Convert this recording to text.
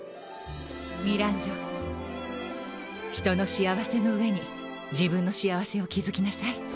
人の幸せの上に自分の幸せを築きなさい